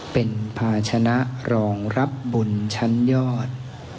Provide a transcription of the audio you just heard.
เป็นภาชนะรองรับบุญชั้นยอด